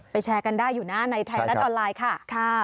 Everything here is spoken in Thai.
แชร์กันได้อยู่นะในไทยรัฐออนไลน์ค่ะ